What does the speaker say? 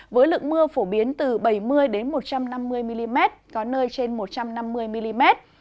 với lượng mưa phổ biến từ bảy mươi một trăm năm mươi mm có nơi trên một trăm năm mươi mm